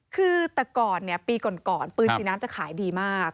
คือแต่ก่อนปีก่อนปืนชีน้ำจะขายดีมาก